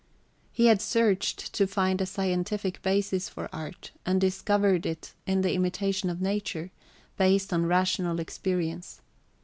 He had searched to find a scientific basis for art, and discovered it in the imitation of nature, based on rational experience.